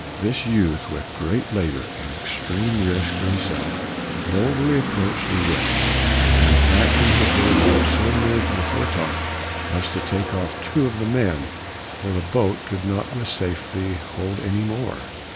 This youth, with great labor and extreme risk to himself, boldly approached the wreck, and backed in his little boat so near to the fore top as to take off two of the men, for the boat could not with safety hold any more.